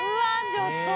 ちょっと！